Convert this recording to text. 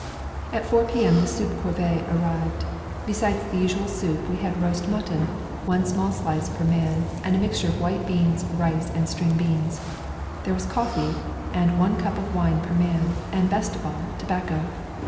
At 4 P.M. the soup corvée arrived. Besides the usual soup we had roast mutton, one small slice per man, and a mixture of white beans, rice, and string beans. There was coffee, and one cup of wine per man, and, best of all, tobacco.